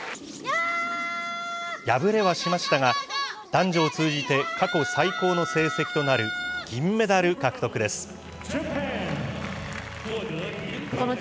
敗れはしましたが、男女を通じて過去最高の成績となる、銀メダル獲得です。